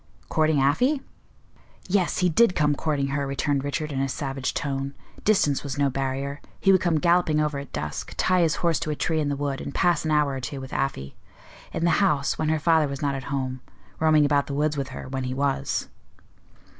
"Courting Afy?" "Yes, he did come courting her," returned Richard, in a savage tone. "Distance was no barrier. He would come galloping over at dusk, tie his horse to a tree in the wood, and pass an hour or two with Afy. In the house, when her father was not at home; roaming about the woods with her, when he was."